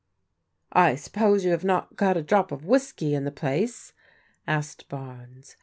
I suppose you have not got a drop of whiskey in the place?" asked Barnes.